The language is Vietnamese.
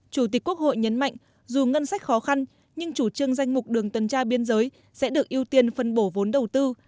chủ tịch quốc hội nhấn mạnh dù ngân sách khó khăn nhưng chủ trương danh mục đường tuần tra biên giới sẽ được ưu tiên phân bổ vốn đầu tư